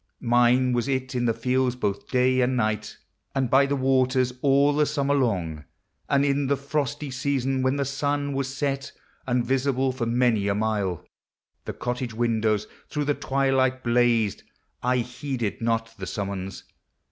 Mine was it in the fields both day and night, And by the waters, all the Summer long; And in the frosty season, when the sun Was set, and, visible for many a mile. The cottage windows through the twilight blazed, I heeded not the summons.